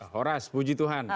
horas puji tuhan